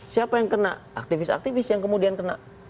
siapa yang kena aktivis aktivis yang kemudian kena